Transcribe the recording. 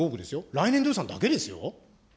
来年度予算だけですよ。